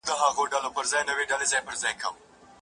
کمپيوټر وي پي اېن کاروي.